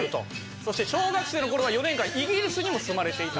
そして小学生の頃は４年間イギリスにも住まれていた。